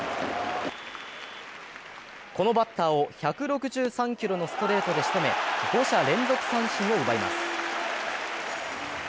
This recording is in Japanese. このバッターを１６３キロのストレートで仕留め５者連続三振を奪います。